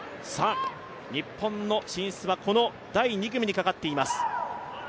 日本の進出はこの第２組にかかっています。